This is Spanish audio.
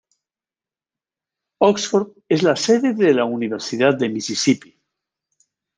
Oxford es la sede de la Universidad de Misisipi.